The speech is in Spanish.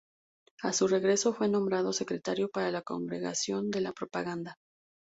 A su regreso fue nombrado secretario para la Congregación de la Propaganda.